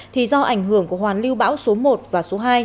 thì do ảnh hưởng của hoàn lưu bão số một và số hai